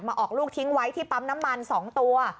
ออกลูกทิ้งไว้ที่ปั๊มน้ำมัน๒ตัว